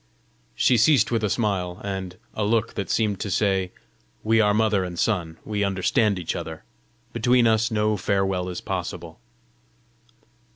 She ceased with a smile and a look that seemed to say, "We are mother and son; we understand each other! Between us no farewell is possible."